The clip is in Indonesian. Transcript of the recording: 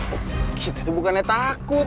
kok kita tuh bukannya takut